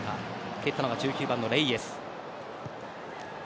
蹴ったのが１９番のレイェス。